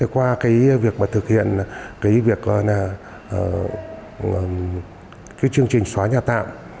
qua việc thực hiện chương trình xóa nhà tạm